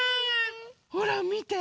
ほらみて。